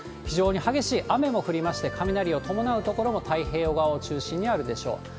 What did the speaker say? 非常に激しい雨も降りまして、雷を伴う所も太平洋側を中心にあるでしょう。